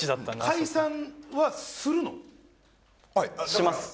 します